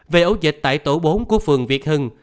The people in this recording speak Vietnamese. về ấu dịch tại tổ bốn của phường việt hưng